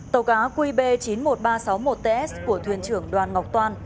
tàu cá qb chín mươi một nghìn ba trăm sáu mươi một ts của thuyền trưởng đoàn ngọc toan